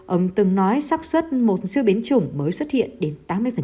ông từng nói sắc xuất một dưa biến chủng mới xuất hiện đến tám mươi